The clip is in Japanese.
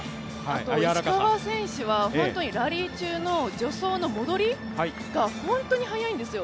あと石川選手は本当にラリー中の助走の戻りが本当に早いんですよ、